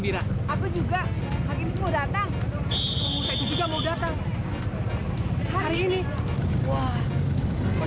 nih ya tidak cukup